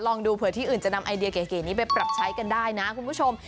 ลองดูเผื่อที่อื่นจะนำไอเดียเก๋นี้ไปปรับใช้กันได้นะคุณผู้ชม